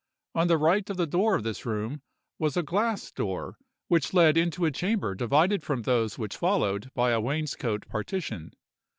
On the right of the door of this room was a glass door, which led into a chamber divided from those which followed by a wainscot partition.